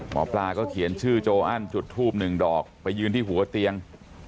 หมอปลาก็เขียนชื่อโจอันจุดทูบหนึ่งดอกไปยืนที่หัวเตียง